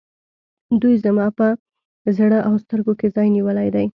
دوی زما په زړه او سترګو کې ځای نیولی دی.